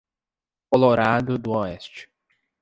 Colorado do Oeste